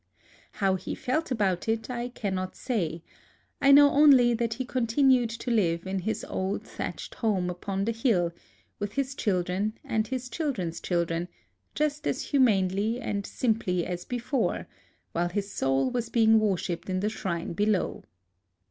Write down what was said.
How he felt about it I cannot say ;— I know only that he continued to live in his old thatched home upon the hill, with his children and his children's children, just as humanly and simply as before, while his soul was being worshiped in the shrine below.